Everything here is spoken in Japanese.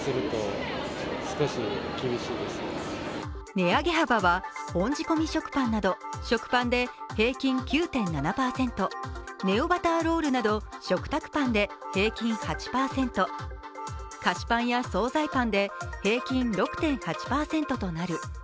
値上げ幅は本仕込食パンなど食パンで平均９．７％、ネオバターロールなど食卓パンで平均８％、菓子パンや総菜パンで平均６．８％となる。